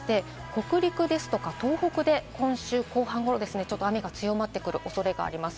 北陸ですとか東北で今週後半頃、ちょっと雨が強まってくる恐れがあります。